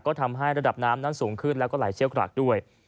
ก็ทำให้ระดับน้ำนั้นสูงขึ้นแล้วก็ไหลเชี่ยวกรากด้วย